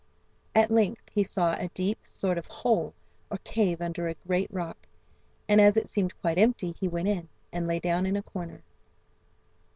At length he saw a deep sort of hole or cave under a great rock, and as it seemed quite empty, he went in, and lay down in a corner.